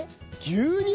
牛乳。